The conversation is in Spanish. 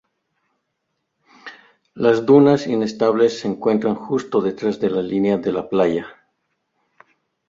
Las dunas inestables se encuentran justo detrás de la línea de la playa.